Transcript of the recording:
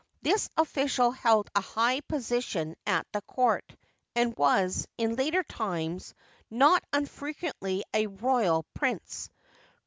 This official held a high position at the court, and was, in later times, not unfrequently a royal prince.